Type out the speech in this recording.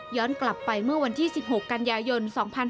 กลับไปเมื่อวันที่๑๖กันยายน๒๕๕๙